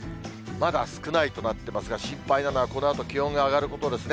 まだ少ないとなってますが、心配なのは、このあと気温が上がることですね。